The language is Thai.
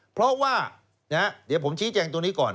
เพราะว่าเดี๋ยวผมชี้แจงตรงนี้ก่อน